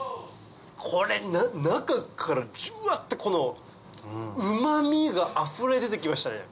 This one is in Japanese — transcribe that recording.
これ中からジュワってうま味があふれ出て来ましたね。